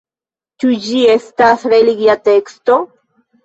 Ĉu ĝi estas religia teksto?